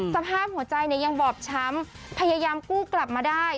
สภาพหัวใจเนี่ยยังบอบช้ำพยายามกู้กลับมาได้